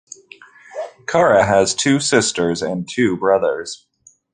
Cara has two sisters and two brothers.